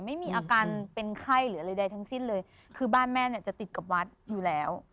ไม่มีอาการเป็นไข้หรืออะไรใดทั้งสิ้นเลยคือบ้านแม่เนี่ยจะติดกับวัดอยู่แล้ว